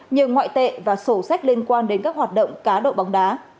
như ngoại tệ và sổ sách liên quan đến các hoạt động cá độ bóng đá